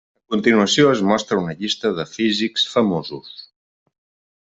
A continuació es mostra una llista de físics famosos.